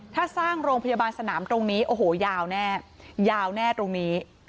ถ้าสร้างโรงพยาบาลสนามตรงนี้โอ้โหยาวแน่ยาวแน่ตรงนี้